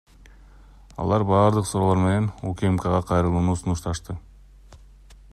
Алар баардык суроолор менен УКМКга кайрылууну сунушташты.